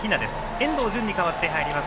遠藤純に代わって入ります。